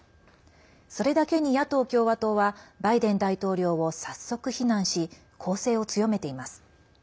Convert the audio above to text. それだけに野党・共和党はバイデン大統領を早速非難し攻勢を強めています。